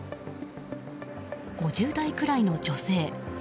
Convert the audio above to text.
５０代くらいの女性。